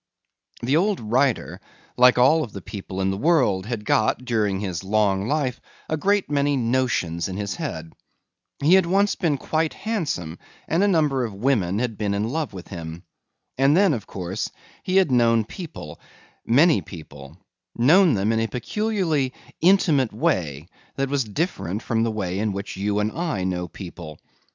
The old writer, like all of the people in the world, had got, during his long life, a great many notions in his head. He had once been quite handsome and a number of women had been in love with him. And then, of course, he had known people, many people, known them in a peculiarly intimate way that was different from the way in which you and I know people.